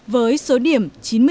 với số điểm chín mươi tám